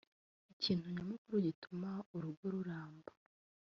Ikintu nyamukuru gituma urugo ruramba